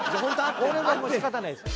これはもう仕方ないです。